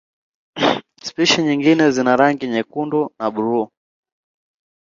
Spishi nyingine zina rangi nyekundu na buluu.